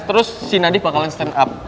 terus si nadie bakalan stand up